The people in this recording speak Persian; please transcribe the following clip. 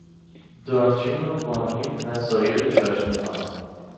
دارچین و وانیل و سایر چاشنیها